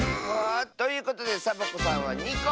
ということでサボ子さんは２こ！